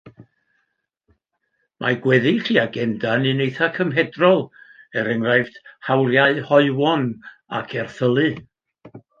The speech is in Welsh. Mae gweddill ei agenda'n un eitha cymedrol er enghraifft hawliau hoywon ac erthylu.